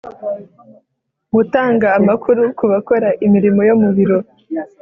Gutanga amakuru ku bakora imirimo yo mu biro